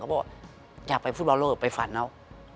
เขาบอกอยากไปฟุตบอลโลกไปฝันเขา